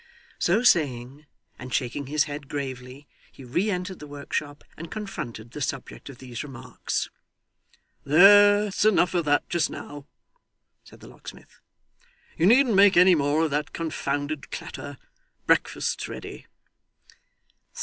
So saying, and shaking his head gravely, he re entered the workshop, and confronted the subject of these remarks. 'There's enough of that just now,' said the locksmith. 'You needn't make any more of that confounded clatter. Breakfast's ready.